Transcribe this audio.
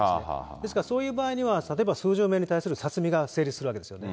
ですから、そういう場合には、例えば数十名に対する殺未が発生するんですね。